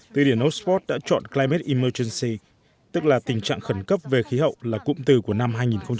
tư điển oxford đã chọn climate emergency tức là tình trạng khẩn cấp về khí hậu là cụm từ của năm hai nghìn một mươi chín